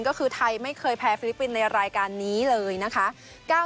ก็คือไทยไม่เคยแพ้ฟิลิปปินส์ในรายการนี้เลยนะคะ